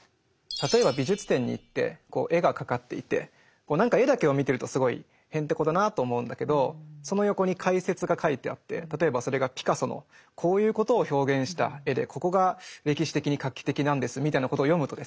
例えば美術展に行って絵がかかっていて何か絵だけを見てるとすごいへんてこだなと思うんだけどその横に解説が書いてあって例えばそれがピカソのこういうことを表現した絵でここが歴史的に画期的なんですみたいなことを読むとですね